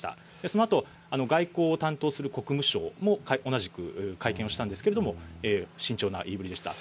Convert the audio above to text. そのあと、外交を担当する国務省も、同じく会見をしたんですけども、慎重な言いぶりでした。